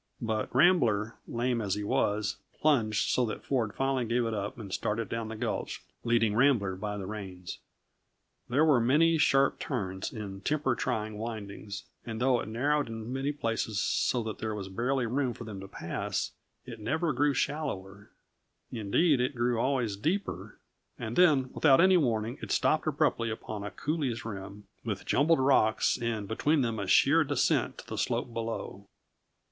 But Rambler, lame as he was, plunged so that Ford finally gave it up and started down the gulch, leading Rambler by the reins. There were many sharp turns and temper trying windings, and though it narrowed in many places so that there was barely room for them to pass, it never grew shallower; indeed, it grew always deeper; and then, without any warning, it stopped abruptly upon a coulée's rim, with jumbled rocks and between them a sheer descent to the slope below.